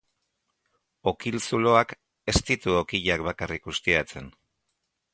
Okil-zuloak ez ditu okilak bakarrik ustiatzen.